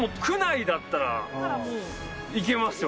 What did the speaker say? いけます